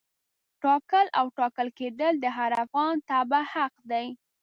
ټاکل او ټاکل کېدل د هر افغان تبعه حق دی.